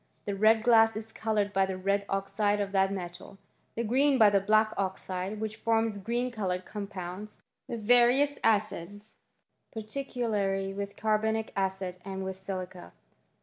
The red glass is coloured by the red oxide of that metal ; the green by the black oxide, which forms green coloured compounds, with various acids, particularly with carbonic acid and with silica.